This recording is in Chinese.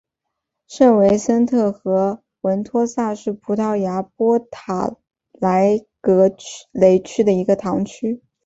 圣维森特和文托萨是葡萄牙波塔莱格雷区的一个堂区。